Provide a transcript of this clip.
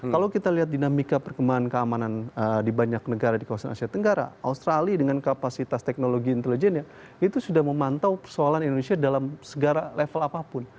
kalau kita lihat dinamika perkembangan keamanan di banyak negara di kawasan asia tenggara australia dengan kapasitas teknologi intelijennya itu sudah memantau persoalan indonesia dalam segara level apapun